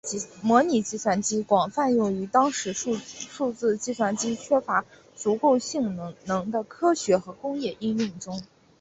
模拟计算机广泛用于当时数字计算机缺乏足够性能的科学和工业应用中。